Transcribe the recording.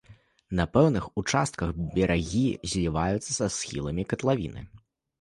На пэўных участках берагі зліваюцца са схіламі катлавіны.